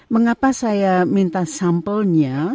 mengapa saya minta sampelnya